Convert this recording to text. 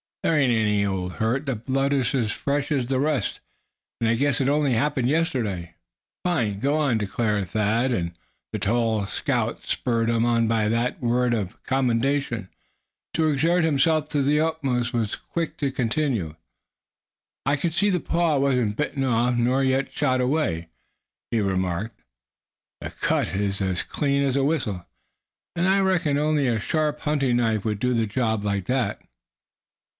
"That ain't any old hurt. The blood is as fresh as any of the rest, and I guess it only happened yesterday." "Fine. Go on," declared Thad, and the tall scout, spurred on by that word of commendation, to exert himself to the utmost, was quick to continue. "I can see that the paw wasn't bitten off, nor yet shot away," he remarked. "The cut is as clean as a whistle, and I reckon only a sharp hunting knife would do the job like that."